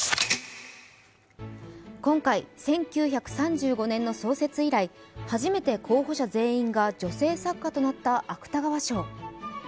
今回、１９３５年の創設以来初めて候補者全員が女性作家となった芥川賞。